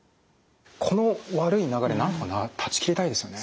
この悪い流れなんとか断ち切りたいですよね。